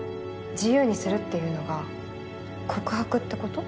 自由にするっていうのが告白って事？